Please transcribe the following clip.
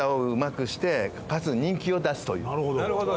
なるほど！